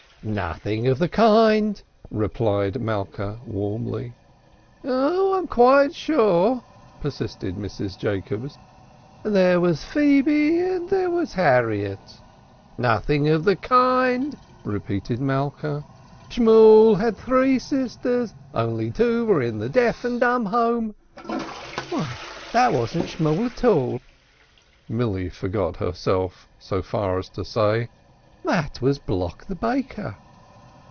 "Nothing of the kind," replied Malka warmly. "I'm quite sure," persisted Mrs. Jacobs. "There was Phoeby and there was Harriet." "Nothing of the kind," repeated Malka. "Shmool had three sisters. Only two were in the deaf and dumb home." "Why, that, wasn't Shmool at all," Milly forgot herself so far as to say, "that was Block the Baker."